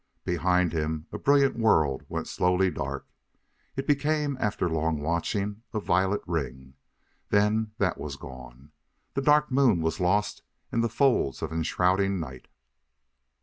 Behind him a brilliant world went slowly dark; it became, after long watching, a violet ring then that was gone; the Dark Moon was lost in the folds of enshrouding night.